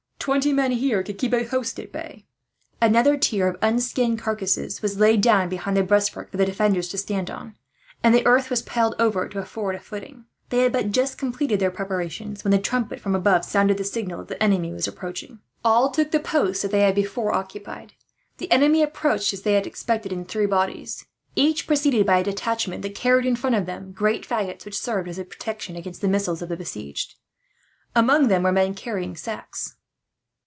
Twenty men here could keep a host at bay." Another tier of unskinned carcasses was laid down behind the breastwork, for the defenders to stand on; and earth was piled over it, to afford a footing. They had but just completed their preparations when the trumpet, from above, sounded the signal that the enemy were approaching. All took the posts that they had before occupied. The enemy approached as they had expected, in three bodies; each preceded by a detachment that carried in front of them great faggots, which served as a protection against the missiles of the besieged. Among them were men carrying sacks.